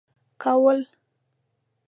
كول.